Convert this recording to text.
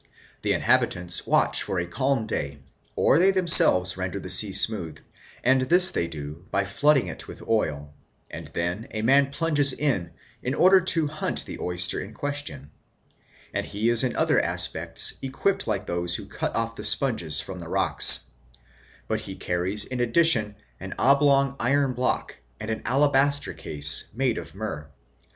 . The inhabitants watch for a calm day, or they themselves 'render the sea smooth, and this they do by flooding it with oil; and then a man plunges in in order to hunt the oyster in question, and he is in other respects equipped like those who cut off the sponges from the rocks, but he carries in addition an oblong iron block and an alabaster case of myrrh.